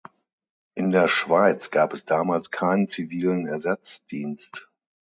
In der Schweiz gab es damals keinen zivilen Ersatzdienst.